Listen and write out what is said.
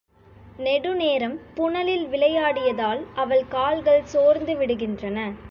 நெடுநேரம் புனலில் விளையாடியதால் அவள் கால்கள் சோர்ந்துவிடுகின்றன.